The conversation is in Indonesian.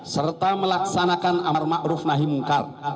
serta melaksanakan amar ma'ruf nahi mungkar